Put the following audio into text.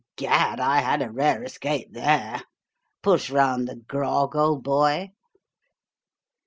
Gad, I had a rare escape THERE. Push round the grog, old boy.'